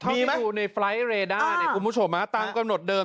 มีอยู่ในไฟล์ทเรด้าเนี่ยคุณผู้ชมตามกำหนดเดิม